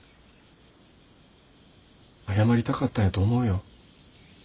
謝りたかったんやと思うよ。